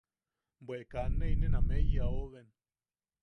Bwe kaa ne inen am eiya oʼobek.